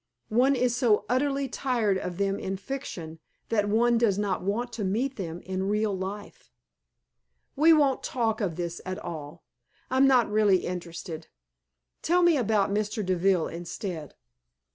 One is so utterly tired of them in fiction that one does not want to meet them in real life. We won't talk of this at all. I'm not really interested. Tell me about Mr. Deville instead."